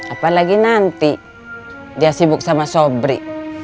apalagi nanti dia sibuk sama sobri